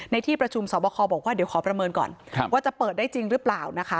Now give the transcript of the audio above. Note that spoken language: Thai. ในที่ประชุมสคบอกว่าขอประเมินก่อนว่าจะเปิดได้จริงหรือเปล่า